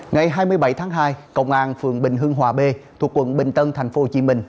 ngày hai mươi bảy tháng hai cộng an phường bình hương hòa b thuộc quận bình tân thành phố hồ chí minh